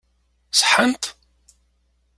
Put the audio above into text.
Ṣeḥḥant?